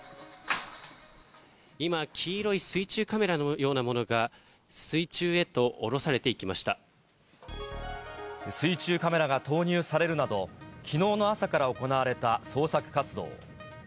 今、黄色い水中カメラのようなものが、水中カメラが投入されるなど、きのうの朝から行われた捜索活動。